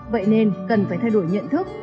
vậy nên cần phải thay đổi nhận thức